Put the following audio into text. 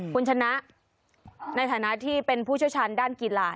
คุณชนะในฐานะที่เป็นผู้เชี่ยวชาญด้านกีฬา